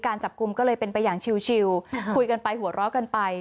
จับกลุ่มก็เลยเป็นไปอย่างชิวคุยกันไปหัวเราะกันไป